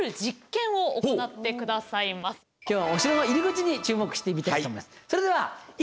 今日はお城の入り口に注目してみたいと思います。